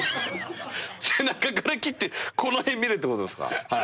背中から切ってこの辺みてってことっすか。